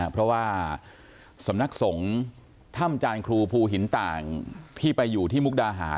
เพราะว่าสำนักสงฆ์ถ้ำจานครูภูหินต่างที่ไปอยู่ที่มุกดาหาร